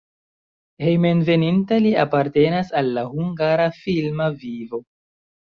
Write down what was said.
Hejmenveninta li apartenas al la hungara filma vivo.